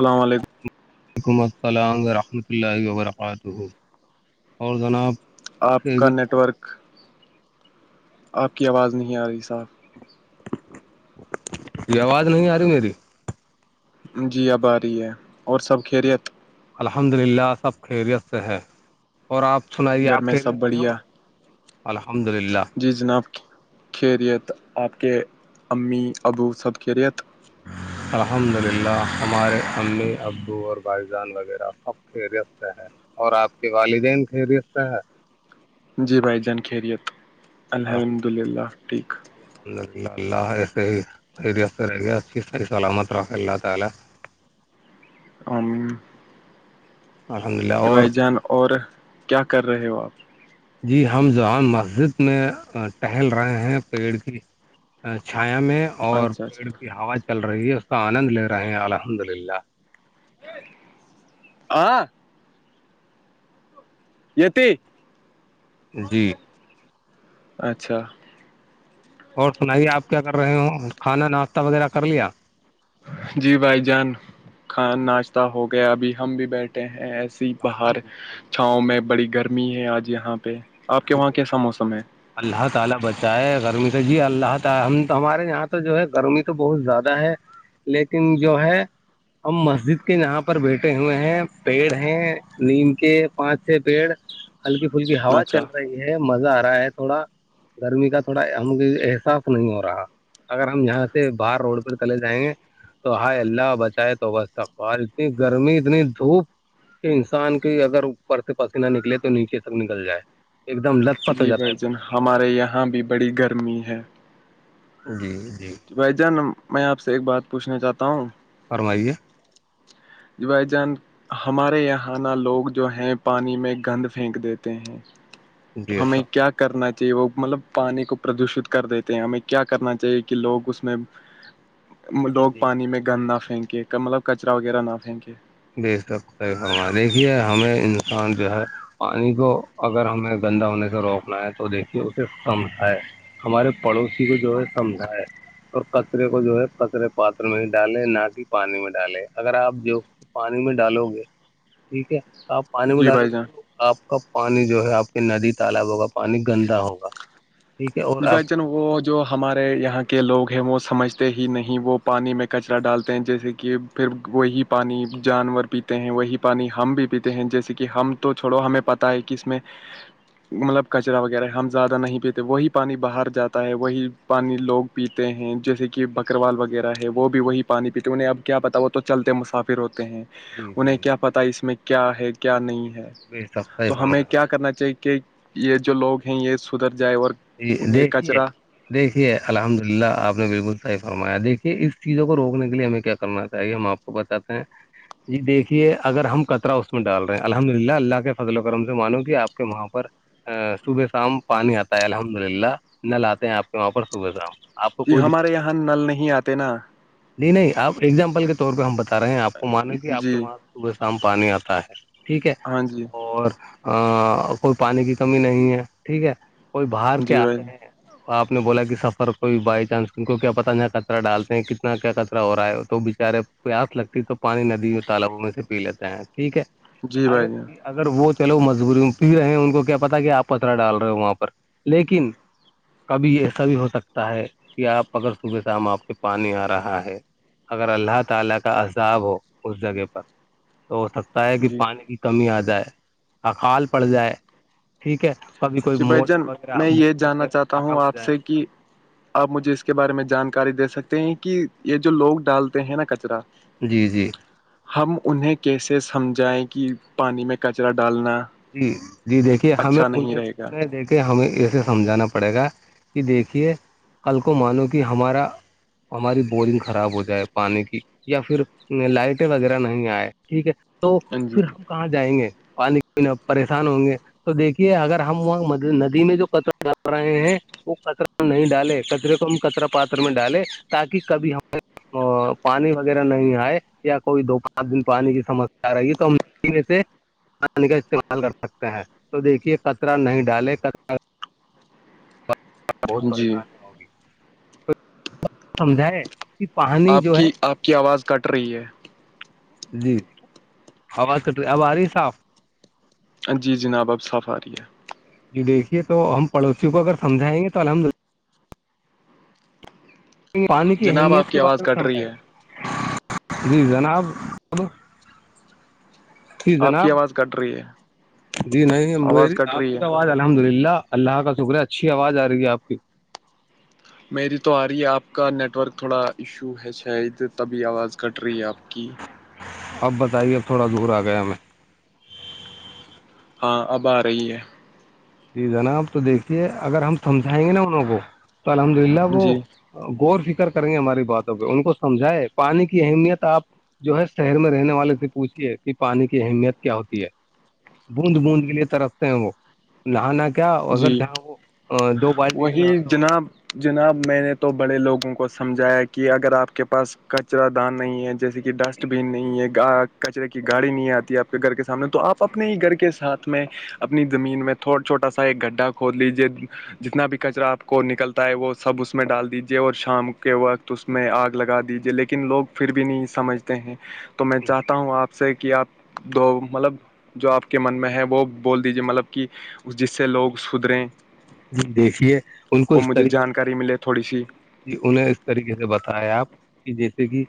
اللام علیکم وعلیکم السلام ورحمۃ اللہ وبرکاتہ اور جناب آپ کا خیریت نیٹورک آپ کی آواز نہیں آ رہی صاحب یہ آواز نہیں آ رہی میری جی اب آ رہی ہے اور سب خیریت الحمد للہ سب خیریت سے ہے اور آپ سنائیے گھر آپ میں ک سب سے ہو بڑھیا الحمد للہ جی جناب کے ریت آپ کے امی ابو سب کے ریت [unintelligible] الحمد للہ ہمارے امی ابو اور بھائی جان وغیرہ سب خیریت سے ہے اور آپ کے والدین خرست ہے جی بھائی جان خیریت الحمد للہ ٹھیک الحمد للہ اللہ ایسے ہی خیرییاف سے رہ گیا اچھی صح سلامت ر اللہ تعالی [unintelligible] الحمدلہ ا بھائی جان اور کیا کر رہے ہو آپ جی ہم جوام مسجد میں ٹہل رہے ہیں پیڑ کی چھایا میں اور اچھا پیڑ اچھا کی ہوا چل رہی ہے اس کا آنند لے رہے ہیں الحمد للہ [unintelligible] تی جی اچھا اور سنائیے آپ کیا کر رہے ہو کھانا ناشتہ وغیرہ کر لیا جی بھائی جان کان ناشتہ ہو گیا ابھی ہم بھی بیٹھے ہیں ایسے باہر الحمد للہ چھاؤں میں بڑی گرمی ہے آج یہاں پہ آپ کے وہاں کیسا موسم ہے [unintelligible] لیکن جو ہے ہم مسجد کے یہاں پر بیٹھے ہوئے ہیں پیڑ ہیں نیم کے پانچ چھ پیڑ ہلکی فلی ہوا اچھا یہ مزہ آ رہا ہے تھوڑا گرمی کا تھوڑا ہم کو احساس نہیں ہو رہا اگر ہم یہاں سے باہر روڈ پ چلے جائیں گے تو ہائے اللہ بچائے تو بس اقبوال اتنی گرمی اتنی دھوپ کہ انسان کے اگر اوپر سے پس نہ نکلے تو نیچے سب نکل جائے ایک دم لت پت ہو جی بھ جاتا ہے جان پسینے ہمارے یہاں بھی بڑی گرمی ہے جی جی بھائی جان میں آپ سے ایک بات پوچھنا چاہتا ہوں فرمائیے بھائی جان ہمارے یہ نہ لوگ جو ہے پانی میں گند پھینک دیتے ہیں تو جی ہمیں سب کیا کرنا چاہیے وہ مطلب پانی کو پردوشت کر دیتے ہیں ہمیں کیا کرنا چاہیے کہ لوگ اس میں [unintelligible] جی لوگ جی پانی میں گند نہ پھینکے مطلب کچرا وغیرہ نہ پھینکے بے تکر ہماریھیے ہمیں انسان جو ہے پانی کو اگر ہمیں گندا ہونے سے روکنا ہے تو دیکھیے اسے ختم ہے ہمارے پڑوسی کو جو ہے سمجھا ہے اور کچرے کو جو ہے کچرے پاتر میں ہی ڈالیں نہ کہ پانی میں ڈالیں اگر آپ جو پانی میں ڈالو گے ٹھیک ہے تو آپ پانی میں جی ڈالو بھائی گے جان تو آپ کا پانی جو ہے آپ کی ندی تالاب کا پانی گندا ہوگا ٹھیک ہے اور آپ بچ وہ جو ہمارے یہاں کے لوگ ہیں وہ سمجھتے ہی نہیں وہ پانی میں کچرا ڈالتے ہیں جیسے کہ پھر وہی پانی جانور پیتے ہیں وہی پانی ہم بھی پیتے ہیں جیسے کہ ہم تو چھوڑو ہمیں پتا ہے کہ اس میں مطلب کچرا وغیرہ ہم زیادہ نہیں پیتے وہی پ پانی باہر جاتا ہے وہی پانی لوگ پیتے ہیں جیسے کہ بکروال وغیرہ ہے وہ بھی وہی پانی پیتے انہیں اب کیا پتا وہ تو چلتے ہیں مسافر ہوتے ہیں جی جی انہیں جی کیا پتا اس میں کیا ہے کیا بے نہیں ہے شک بے شک صحیح تو ہمیں فرمایا کیا کرنا چاہیے کہ یہ جو لوگ ہیں یہ سدھر جائے اور یہ دیکھیھیے دیکھیے الحمد للہ آپ نے بالکل صحیح فرمایا دیکھیے اس چیزوں کو روکنے کے لیے ہمیں کیا کرنا چاہیے ہم آپ کو بچاتے ہیں جی دیکھیے اگر ہم کطرہ اس میں ڈال رہے ہیں الحمد للہ اللہ کے فضل و کرم سے مانو کہ آپ کے وہاں پر ا صبح شام پانی آتا ہے الحمد للہ نل آتے ہیں آپ کے وہاں پر صبح شام آپ کو یہ کوئی ہمارے دقت یہاں نل نہیں آتے نا نہیں نہیں آپ ایگزامپل کے طور پہ ہم بتا رہے ہیں آپ کو مانے کہی آپ جی کے وہاں صبح شام پانی آتا ہے ٹھیک ہے ہاں جی اور کوئی پانی کی کمی نہیں ہے ٹھیک ہے کوئی باہر کے جی بھائی آتے ہیں آپ نے بولا کہ سفر کوئی بائی چانس ان کو کیا پت ن کچرہ ڈالتے ہیں کتنا کیا کچرا ہو رہا ہے تو ارے پیاس لگتی تو پانی ندی تالابوں میں سے پی لیتا ہے ٹھیک ہے جی ارے جان بھائی اگر وہ چلو مجبوری میں بھی رہے ہیں ان کو کیا پتا کہ آپ کچرا ڈال رہے ہو وہاں پر لیکن کبھی یہ ایسا بھی ہو سکتا ہے کہ آپ اگر صبح شام آپ کے پانی آ رہا ہے اگر اللہ تعالی کا عذاب ہو اس جگہ پر تو ہو سک تا ہے کہ جی پانی کی کمی آ جائے اقال پڑ جائے ٹھیک ہے کبھی کوئی جی م بھائی میں یہ جاننا چاہتا ہوں آپ سے جائے کہ آپ مجھے اس کے بارے میں جانکاری دے سکتے ہیں کہ یہ جو لوگ ڈالتے ہیں نا کچرا جی جی ہم انہیں کیسے سمجھائیں کہ پانی میں کچرا ڈالنا جی جی دیکھیے ہمیں اچھا نہیں انہیں رہے گا انہیں دیکھے ہمیں اسے سمجھانا پڑے گا کہ دیکھیے کل کو مانو کہ ہمارا ہماری بورنگ خراب ہو جائے پانی کی یا پھر لائٹیں وغیرہ نہیں آئے ٹھیک ہے تو جی پھر ہم کہاں جائیں گے پانی پریشان ہوں گے تو دیکھیے اگر ہم وہ ندی میں جو کچرا ڈال رہے ہیں وہ کچرا نہیں ڈالے کچرے کو ہم کچرا پاتر میں ڈالے تاکہ کبھی ہمارے پانی وغیرہ نہیں آئے یا کوئی دو پانچ دن پانی کی سمسیا رہی تو ہم میں سے پانی کا استعمال کر سکتے ہیں تو دیکھیے کچرا نہیں ڈالے کر بہت جی پریشانی ہوگی سمجھائے کہ پانی آپ جو ہے کی آپ کی آواز کٹ رہی ہے جی آواز کٹ رہی اب آ رہی صاف جی جناب اب صاف آ رہی ہے جی دیکھیے تو ہم پڑوسیوں کو اگر سمجھائیں گے تو الحمدلہ پانی کی جناب آپ اہمیت کے کی آواز بارے میں کٹ رہی ہے سمجھیں جی جناب جی آپ کی جناب آواز کٹ رہی ہے جی نہیں آواز کٹ آپ رہی کی ہے تو آواز الحمد للہ اللہ کا شکر ہے اچھی آواز آ رہی ہے آپ کی میری تو آ رہی ہے آپ کا نیٹ ورک تھوڑا ایشو ہے شاید تبھی آواز کٹ رہی ہے آپ کی اب بتائیے اب تھوڑا دور آ گیا میں ہاں اب آ رہی ہے جی جناب تو دیکھیے اگر ہم سمجھائیں گے نا انہوں کو تو الحمد للہ ہے وہ جی غور فکر کریں گے ہماری باتوں پہ ان کو سمجھائے پانی کی اہمیت آپ جو ہے شہر میں رہنے والے سے پوچھیے کہ پانی کی اہمیت کیا ہوتی ہے بوند بوند کے لیے ترستے ہیں وہ نہانا کیا اگر جی جاں وہ دو بالٹی سے وہی نہاتا ہو جناب جناب میں نے تو بڑے لوگوں کو سمجھایا کہ اگر آپ کے پاس کچرا دان نہیں ہے جیسے کہ ڈسٹ ڈسٹ بین نہیں ہے کچرے کی گاڑی نہیں آتی ہے آپ کے گھر کے سامنے تو آپ اپنے ہی گھر کے ساتھ میں اپنی زمین میں تھوا چھوٹا سا ایک گڈھا کھود لیجیے جتنا بھی کچرا آپ کو نکلتا ہے وہ سب اس میں ڈال دیجیے اور شام کے وقت تو اس میں آگ لگا دیجیے لیکن لوگ پھر بھی نہیں سمجھتے ہیں تو میں چاہتا ہوں آپ سے کہ آپ دو مطلب جو آپ کے من میں ہے وہ بول دیجیے مطلب کہ جس سے لوگ سدھریں جی دیکھیے ان کو اور اس مجھے طریقے سے جانکاری ملے تھوڑی سی جی انہیں اس طریقے سے بتائے آپ کہ جیسے کہ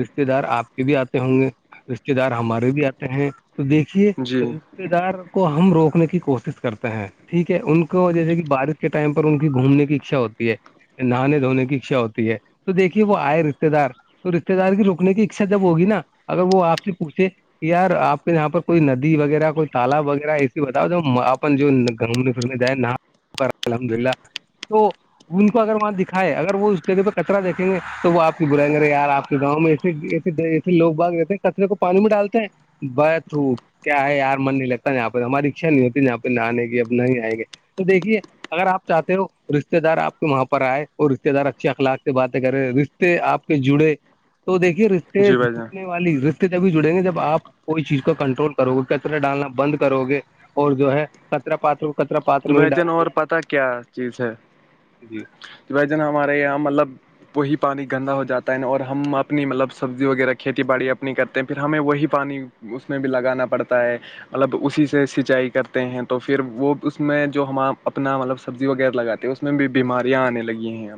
رشتے دار آپ کے بھی آتے ہوں گے رشتے دار ہمارے بھی آتے ہیں تو دیکھیے جی رشتے دار کو ہم روکنے کی کوشش کرتے ہیں ٹھیک ہے ان جیسے کہ بارش کے ٹائم پر ان کی گھومنے کی اکھچا ہوتی ہے نہانے دھونے کی اکھچا ہوتی ہے تو دیکھیے وہ آئے رشتے دار تو رشتے دار کی روکنے کی اکھچا جب ہوگی نا اگر وہ آپ سے پوچھے یار آپ کے یہاں پر کوئی ندی وغیرہ کوئی تالاب وغیرہ ایسی بتاؤ جو اپن جو گھومنے پھرنے دے نا الحمد للہ تو ان کو اگر وہاں دکھائے اگر وہ اس جگہ پہ کچرا دیکھیں گے تو وہ آپ کی بلائیں گے یار آ کے گاؤں میں ایسے ایسے لوگ باگ رہتے ہیں کچرے کو پانی میں ڈالتے ہیں بت کیا ہے یار من نہیں لگتا یہاں پہ ہماری اچھا نہیں ہوتی ج یہاں پہ نہ آنے گی اب نہیں آئے گی تو دیکھیے اگر آپ چاہتے ہو رشتے دار آپ کے وہاں پر آئے اور رشتے دار اچھے اخلاق سے باتیں کریں ر آپ کے جڑے تو دیکھیے جی بھائی جان رشتےنے والی رشتے جبھی جڑیں گے جب آپ کوئی چیز کو کنٹرول کرو گے کچرے ڈالنا بند کرو گے اور جو ہے کطرا پاترو کطرا بھجن اور پتا کیا چیز ہے گے جی بجن ہمارے یہاں مطلب وہی پانی گندا ہو جاتا ہے اور ہم اپنی مطلب سبزی وغیرہ کھیتی باڑی اپنی کرتے ہیں پھر ہمیں وہی پانی اس میں بھی لگانا پڑتا ہے مطلب اسی سے سچائی کرتے ہیں تو پھر وہ اس میں جو ہمپ اپنا مطلب سبزی وغیرہ لگاتے ہیں اس میں بھی بیماریاں آنے لگی ہیں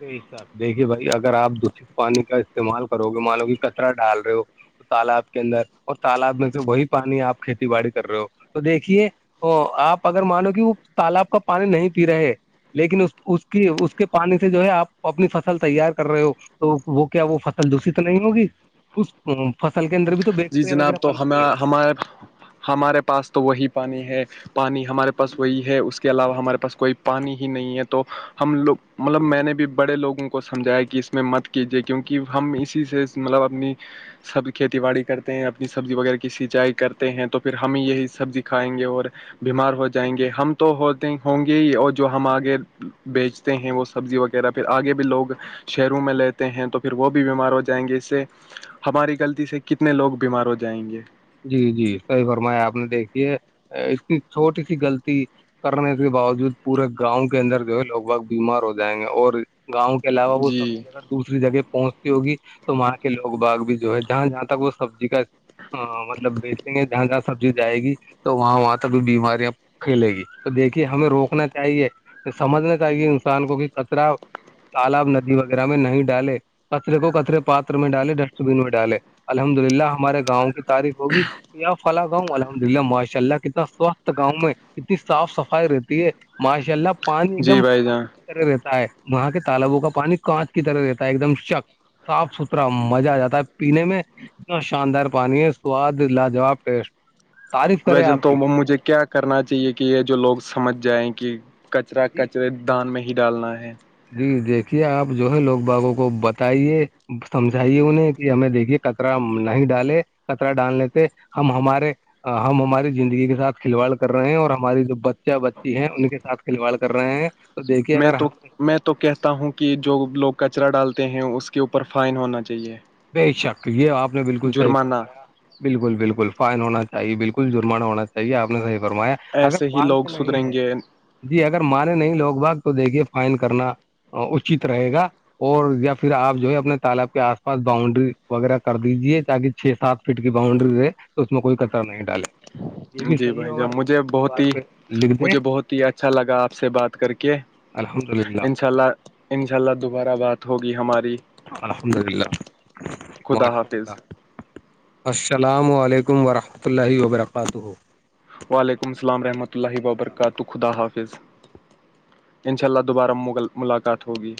س دیکھیے بھائی اگر آپ دشت پانی کا استعمال کرو گے مان لو کہ کچرا ڈال رہے ہو تالاب کے اندر اور تالاب میں سے وہی پانی آپ کھیتی باڑی کر رہے ہو تو دیکھیے ا آپ اگر مانو کہ وہ تالاب کا پانی نہیں پی رہے لیکن اس کی اس کے پانی سے سے جو ہے آپ اپنی فصل تیار کر رہے ہو تو وہ کیا وہ فصل دوشت نہیں ہوگی اس فصل کے اندر بھی تو بیسری وغیرہ بن رہی ہے ہمر [unintelligible] ہمارے پاس تو وہی پانی ہے پانی ہمارے پاس وہی ہے اس کے علاوہ ہمارے پاس کوئی پانی ہی نہیں ہے تو ہم لوگ مطلب میں نے بھی بڑے لوگوں کو سمجھایا کہ اس میں مت کیجیے کیونکہ ہم اسی سے مطلب اپنی سب کھیتی باڑی کرتے ہیں اپنی سبزی وغیرہ کی سینچائی کرتے ہیں تو پھر ہم یہی سبزی کھائیں گے اور بیمار ہو جائیں گے ہم تو ہوتے ہوں گے ہی اور جو ہم آگے بیچ ہیں وہ سبزی وغیرہ پھر آگے بھی لوگ شہروں میں لیتے ہیں تو پھر وہ بھی بیمار ہو جائیں گے اس سے ہماری غلطی سے کتنے لوگ بیمار ہو جائیں گے جی جی صحیح فرمایا آپ نے دیکھی ہے اس کی چھوٹی سی غلطی کرنے کے باوجود پورے گاؤں کے اندر جو ہے لوگ بگ بیمار ہو جائیں گے اور گاؤں کے علاوہ وہ جی سبزی اگر دوسری جگہ پہنچتی ہوگی تو وہاں کے لوگ باغ بھی جو ہے جہاں جہاں تک وہ سبزی کا ہاں مطلب بیچیں گے جہاں جہاں سبزی جائے گی تو وہاں وہاں تک بھی بیماریاں کھیلے گی تو دیکھیے ہمیں روکنا چاہیے سمجھنا چاہیے انسان کو کہ کچرا تالاب ندی وغیرہ میں نہیں ڈالے کچرے کو کچرے پاتر میں ڈالے ڈسٹ بین میں ڈالے الحمد للہ ہمارے گاؤں کی تعف ہوگی فلا گاؤں الحمد للہ ماشاء اللہ کتنا سوستتھ گاؤں میں کتنی صاف صفائی رہتی ہے ماشاء اللہ پانی ایک جی دم بھائی جان طرح رہتا ہے وہاں کے تالابوں کا پانی کانچ کی طرح رہتا ہے ایک دم شک صاف ستھرا مزہ آ جاتا ہے پینے میں اتنا شاندار پانی ہے سواد لاجاب ٹیسٹ تعریف بھ کرے جن آپ تو کی مموںج کیا کرنا چاہیے کہ یہ جو لوگ سمجھ جائیں کہ کچرا جی کچرے دان میں ہی ڈالنا ہے جی دیکھیے آپ جو ہے لوگ باگوں کو بتائیے سمجھائیے انہیں کہ ہمیں دیکھیے کترا نہیں ڈالے کترا ڈال لیتے ہم ہمارے ہماری زندگی کے ساتھ کھلواڑ کر رہے ہیں اور ہماری جو بچہ بچی ہیں ان کے سھ کھلواڑ کر رہے ہیں تو دیکھیے میں اگر تو ہم میں تو تو کہتا ہوں کہ جو لوگ کچرا ڈالتے ہیں اس کے اوپر فائن ہونا چاہیے بے شک یہ آپ نے بالکل صحیح جرمانہ فرمایا بالکل بالکل فائن ہونا چاہیے بالکل جرمانہ ہونا چاہیے آپ نے صحی فرمایا اگر ایسے ہی لوگ مانتے نہیں سدھریں ہے گے جی اگر مانے نہیں لوگ بھاگ تو دیکھیے فائن کرنا اچت رہے گا اور یا پھر آپ جو ہے اپنے تالاب کے آسا پس باؤنڈری وغیرہ کر دیجیے تاکہ چھ سات فٹ کی باؤنڈری رہے تو اس میں کوئی کچر نہیں ڈالے یہ بھی جی صحیح ہے بھائی جان اگر مجھے بہت دیوار ہی پہ لکھ دیں مجھے بہت ہی اچھا لگا آپ سے بات کر کے الحمد للہ انشاء اللہ انشاء اللہ دوبارہ بات ہوگی ہماری الحمد للہ خدا ماشاء حافظ اللہ السلام علیکم ورحمۃ اللہ وبرکاتہ وعلیکم السلام رحمۃ اللہ وبرکاتہ خدا انشاء اللہ دوبارہ مغل ملاقات ہوگی